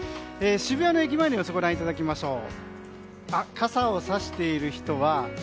渋谷の駅前の様子をご覧いただきましょう。